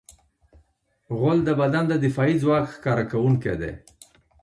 غول د بدن د دفاعي ځواک ښکاره کوونکی دی.